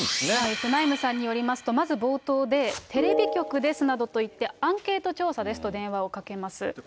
フナイムさんによりますと、まず冒頭で、テレビ局ですなどと言って、アンケート調査ですと電話をかけます。